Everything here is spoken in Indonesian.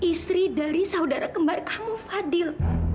istri dari saudara kembar kamu fadil